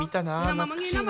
懐かしいな。